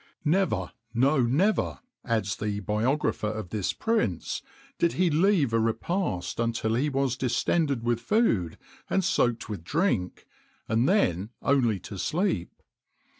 [XXIX 16] Never, no, never, adds the biographer of this prince, did he leave a repast until he was distended with food and soaked with drink, and then only to sleep.